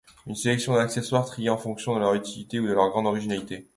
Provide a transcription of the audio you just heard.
Une sélection d'accessoires triés en fonction de leur utilité ou de leur grande originalité.